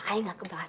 saya gak keberatan ya